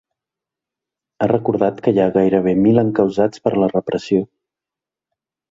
Ha recordat que hi ha gairebé mil encausats per la repressió.